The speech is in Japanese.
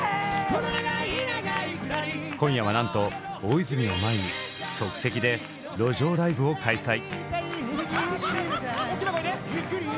今夜はなんと大泉を前に即席で路上ライブを開催！